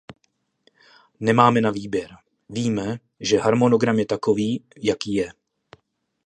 Nemáme na výběr; víme, že harmonogram je takový, jaký je.